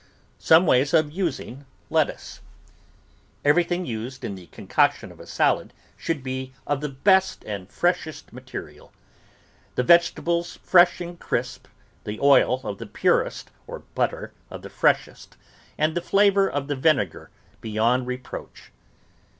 SOME WAYS OF USING LETTUCE Everything used in the concoction of a salad should be of the best and freshest material. The vegetables fresh and crisp, the oil of the purest or butter of the freshest, and the flavour of the vinegar beyond reproach.